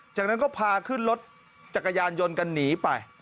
จากนั้นก็พาขึ้นรถจักรยานยนต์กันหนีไป